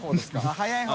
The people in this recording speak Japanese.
早い方。